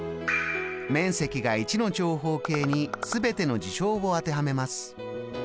面積が１の長方形に全ての事象を当てはめます。